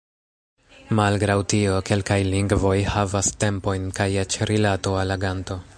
Malgraŭ tio, kelkaj lingvoj havas tempojn kaj eĉ rilato al aganto.